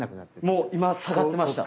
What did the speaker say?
もう今下がってました。